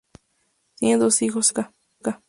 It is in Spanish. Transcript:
Tienen dos hijos, Samuel y Luca.